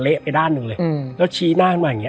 ไปด้านหนึ่งเลยแล้วชี้หน้าขึ้นมาอย่างเง